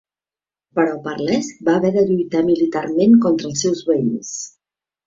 Però per l'est va haver de lluitar militarment contra els seus veïns.